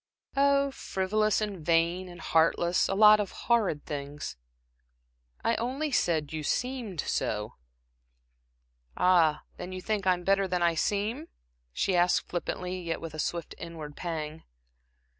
"Oh frivolous, and vain, and heartless. A lot of horrid things." "I only said you seemed so." "Ah, then you think I'm better than I seem?" she asked, flippantly, yet with a swift inward pang.